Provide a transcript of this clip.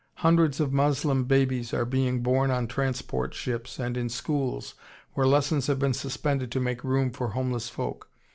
Hundreds of Moslem babies are being born on transport ships and in schools where lessons have been suspended to make room for homeless folk.